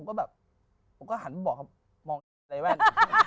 ผมก็แบบผมก็หันมาบอกเขามองในแว่น